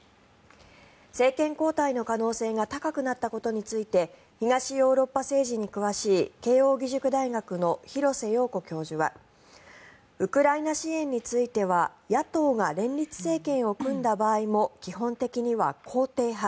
政権交代の可能性が高くなったことについて東ヨーロッパ政治に詳しい慶應義塾大学の廣瀬陽子教授はウクライナ支援については野党が連立政権を組んだ場合も基本的には肯定派